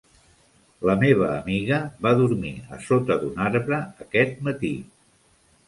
La meva amiga va dormir a sota d'un arbre aquest matí.